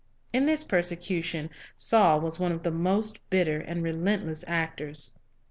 In this persecution, Saul was one of the most bitter and relentless actors.